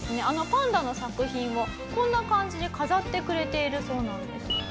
あのパンダの作品をこんな感じで飾ってくれているそうなんです。